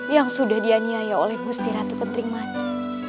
yang sudah dianiaya oleh gusti ratu ketring mani